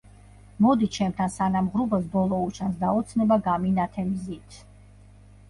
მოდი ჩემთან სანამ ღრუბელს ბოლო უჩანს და ოცნება გამინათე მზით